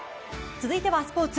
続いてはスポーツ。